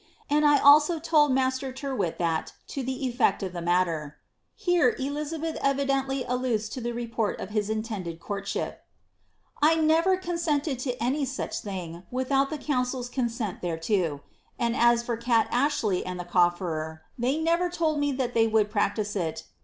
and T also told Master Tyrwliit chnt lo the etft^'t of the matter — (Hrrc Elixabelh evidentiy aUmim to ike report of kit intended tomrttkip) — 1 nerer consented to any such thing with out the council's conaeiit thereto. And as for Kat Ashley ami the cofferer, thej never told me tliat they would practise it, (i.